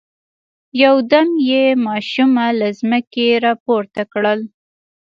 يودم يې ماشومه له ځمکې را پورته کړل.